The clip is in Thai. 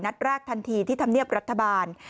นัดแรกทันทีที่ทำเนียบรัฐบาล